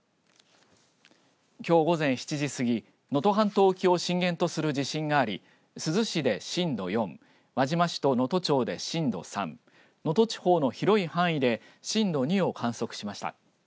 きょう午前７時過ぎ能登半島沖を震源とする地震があり珠洲市で震度４輪島市と能登町で震度３能登地方の広い範囲で震度２を観測しました。